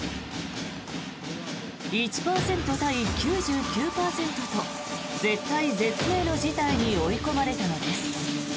１％対９９％と絶体絶命の事態に追い込まれたのです。